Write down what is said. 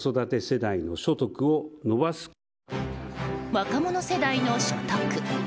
若者世代の所得。